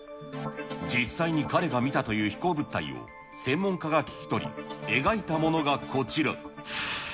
実際に彼が見たという飛行物体を専門家が聞き取り、描いたものがこちら。